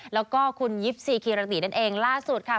แล้วก็คุณยิปซีคิรตินั่นเองล่าสุดค่ะ